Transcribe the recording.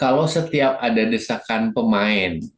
kalau setiap ada desakan pemain